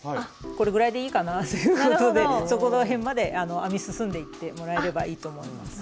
これぐらいでいいかなということでそこら辺まで編み進んでいってもらえればいいと思います。